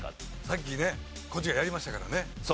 さっきねこっちがやりましたからね。